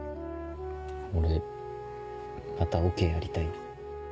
俺またオケやりたい。